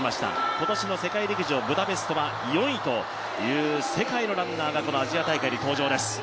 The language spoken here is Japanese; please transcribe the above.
今年の世界陸上ブダペストは４位という世界のランナーがこのアジア大会に登場です。